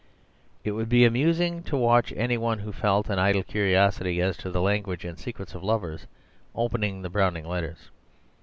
It would be amusing to watch any one who felt an idle curiosity as to the language and secrets of lovers opening the Browning Letters.